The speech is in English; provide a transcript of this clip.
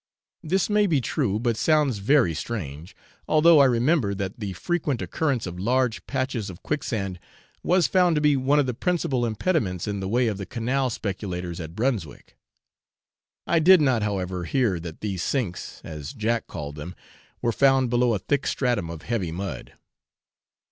This may be true, but sounds very strange, although I remember that the frequent occurrence of large patches of quicksand was found to be one of the principal impediments in the way of the canal speculators at Brunswick. I did not, however, hear that these sinks, as Jack called them, were found below a thick stratum of heavy mud.